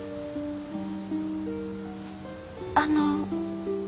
あの。